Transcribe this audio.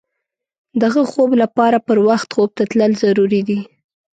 د ښه خوب لپاره پر وخت خوب ته تلل ضروري دي.